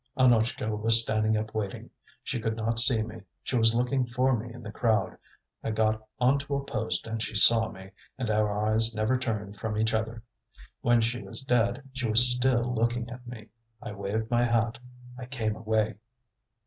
Annutchka was standing up waiting. She could not see me, she was looking for me in the crowd. I got on to a post and she saw me, and our eyes never turned from each other. When she was dead she was still looking at me. I waved my hat; I came away."